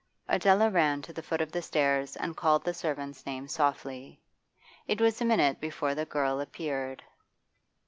Adela ran to the foot of the stairs and called the servant's name softly. It was a minute before the girl appeared.